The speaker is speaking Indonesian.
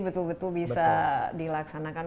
betul betul bisa dilaksanakan